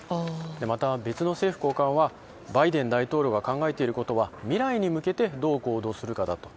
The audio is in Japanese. また、別の政府高官はバイデン大統領が考えていることは未来に向けてどう行動するかだと。